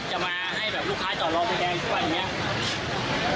จะมาให้ลูกค้าจอดรอไฟแดงทุกวันอย่างนี้